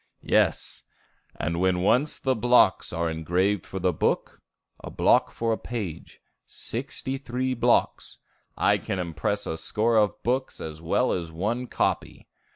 "Yes, and when once the blocks are engraved for the book, a block for a page, sixty three blocks, I can impress a score of books as well as one copy."